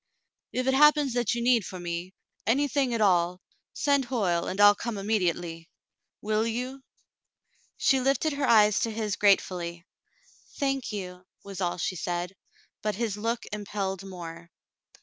"If it happens that you need me for — any thing at all, send Hoyle, and I'll come immediately. Will you.p" She lifted her eyes to his gratefully. "Thank you," was all she said, but his look impelled more.